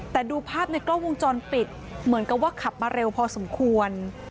แต่ดูภาพในกล้องวงจรปิดเหมือนกับว่าขับมาเร็วพอสมควร